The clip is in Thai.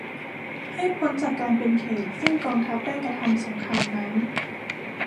ให้พ้นจากการเป็นเขตต์ซึ่งกองทัพได้กระทำสงครามนั้น